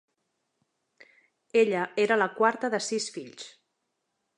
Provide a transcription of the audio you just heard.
Ella era la quarta de sis fills.